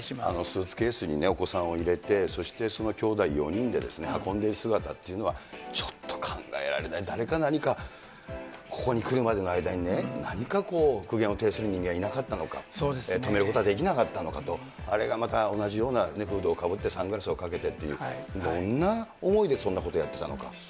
スーツケースにお子さんを入れて、そしてそのきょうだい４人で運んでいる姿っていうのは、ちょっと考えられない、誰か何か、ここに来るまでの間にね、何かこう、苦言を呈する人間はいなかったのか、止めることはできなかったのかと、同じようなフードをかぶって、サングラスをかけてっていう、どんな思いでそんなことをやってたのか。